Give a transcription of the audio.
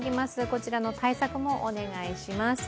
こちらの対策もお願いします。